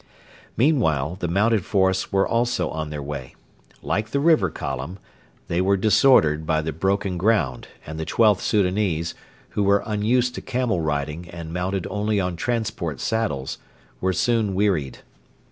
Meanwhile the mounted force were also on their way. Like the River Column, they were disordered by the broken ground, and the XIIth Soudanese, who were unused to camel riding and mounted only on transport saddles, were soon wearied.